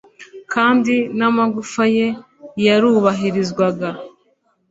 kandi n'amagufa ye yarubahirizwaga